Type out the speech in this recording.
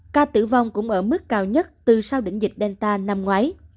ca tử vong cũng ở mức cao nhất từ sau đỉnh dịch delta năm ngoái